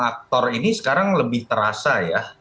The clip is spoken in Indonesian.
aktor ini sekarang lebih terasa ya